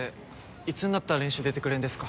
いつになったら練習出てくれんですか？